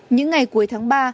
những ngày cuối tháng ba